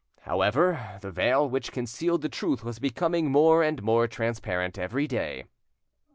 However, the veil which concealed the truth was becoming more and more transparent every day.